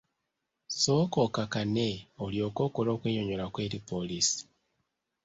Sooka okakkane olyoke okole okwennyonnyolako eri poliisi.